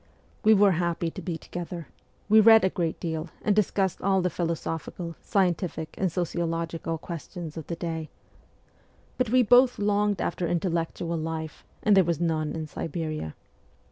We were happy to be together ; we read a great deal and discussed all the philosophical, scientific, and sociological questions of the day ; but we both longed after intellectual life, and there was none in Siberia.